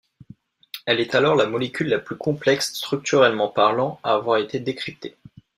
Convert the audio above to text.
Elle est alors la molécule la plus complexe structurelllement parlant a avoir été décryptée.